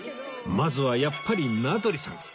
まずはやっぱり名取さん